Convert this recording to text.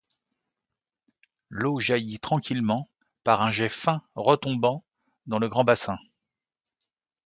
L'eau jaillit tranquillement, par un jet fin retombant dans le grand bassin.